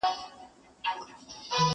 بوډا وویل پیسو ته نه ژړېږم!!